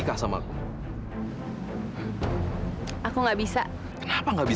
rasa ada masalah pengaruh denis